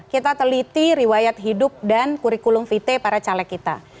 kita teliti riwayat hidup dan kurikulum vt para caleg kita